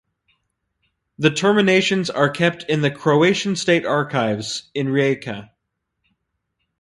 The Terminations are kept in the Croatian State Archives in Rijeka.